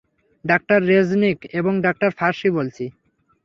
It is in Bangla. ডাঃ রেজনিক এবং ডাঃ ফারসি বলছি।